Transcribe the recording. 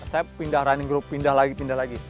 saya pindah running group pindah lagi pindah lagi